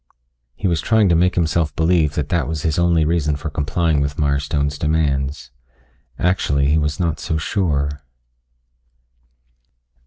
He was trying to make himself believe that that was his only reason for complying with Mirestone's demands. Actually he was not so sure....